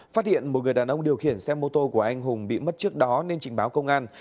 phát hiện một người đàn ông điều khiển xe mô tô của anh hùng bị mất trước đó nên trình báo công an